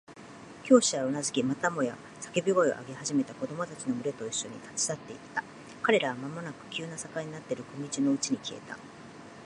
教師はうなずき、またもや叫び声を上げ始めた子供たちのむれといっしょに、立ち去っていった。彼らはまもなく急な坂になっている小路のうちに消えた。